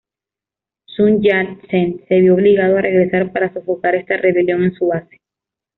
Sun Yat-sen se vio obligado a regresar para sofocar esta rebelión en su base.